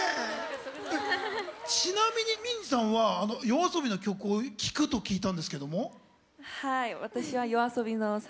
ちなみにＭＩＮＪＩさんはＹＯＡＳＯＢＩの曲を聴くと聞いたんですけども。